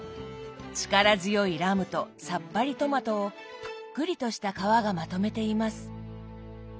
力強いラムとさっぱりトマトをぷっくりとした皮がまとめています。